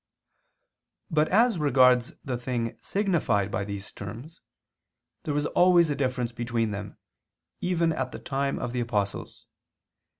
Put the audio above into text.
But as regards the thing signified by these terms, there was always a difference between them, even at the time of the apostles.